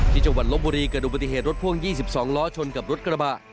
จังหวัดลบบุรีเกิดอุบัติเหตุรถพ่วง๒๒ล้อชนกับรถกระบะ